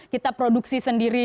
kita produksi sendiri